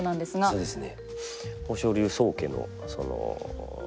そうですね。